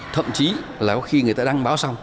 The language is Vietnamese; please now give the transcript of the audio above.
thậm chí là có khi người ta đăng báo xong